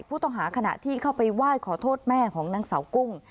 ผู้ต้องหาขณะที่เข้าไปไหว้ขอโทษแม่ของนางสาวกุ้ง